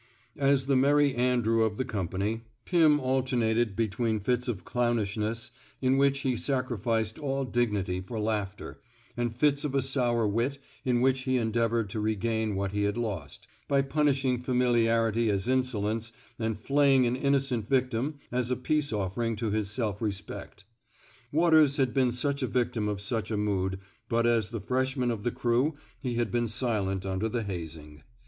As the Merry Andrew of the company, Pim alter 172 TRAINING "SALLY'' WATERS nated between fits of clownishness in which he sacrificed all dignity for laughter, and fits of a sour wit in which he endeavored to regain what he had lost, by punishing fa miliarity as insolence and flaying an innocent \dctim as a peace offering to his self respect. Waters had been such a victim of such a mood, but as the freshman of the crew he had been silent under the hazing.